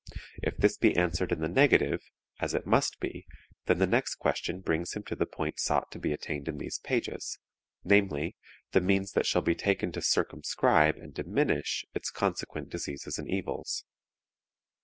If this be answered in the negative, as it must be, then the next question brings him to the point sought to be attained in these pages, namely, the means that shall be taken to circumscribe and diminish its consequent diseases and evils.